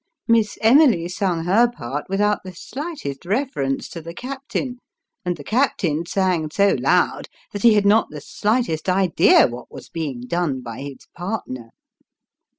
Miss Emily sung her part, without the slightest reference to the captain ; and the captain sang so loud, that he had not the slightest idea what was being done by his partner.